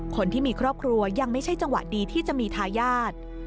คนที่มีครอบครัวยังไม่ใช่จังหวะดีที่จะมีทายาท